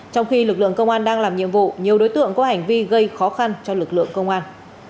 trong khi lực lượng công an đang làm nhiệm vụ nhiều đối tượng có hành vi gây khó khăn cho lực lượng công an